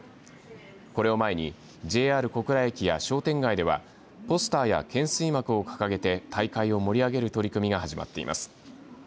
これを前にＪＲ小倉駅や商店街ではポスターや懸垂幕を掲げて大会を盛り上げる取り組みが始まっています。